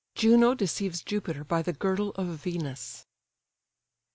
JUNO DECEIVES JUPITER BY THE GIRDLE OF VENUS.